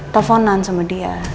teleponan sama dia